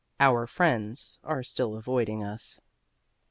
Our friends are still avoiding us.